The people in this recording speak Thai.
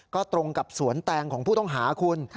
ก็ตรงกับสวนแตงของผู้ต้องหาคุณ